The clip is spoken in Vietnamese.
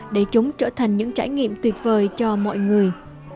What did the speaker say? để chúng trở thành những trải nghiệm tuyệt vời cho mọi người